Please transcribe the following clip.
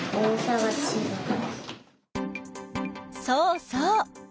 そうそう！